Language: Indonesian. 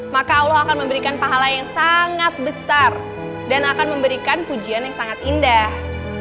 maka allah akan memberikan pahala yang sangat besar dan akan memberikan pujian yang sangat indah